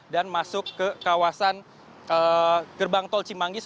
dan masuk ke kawasan gerbang tol cimangis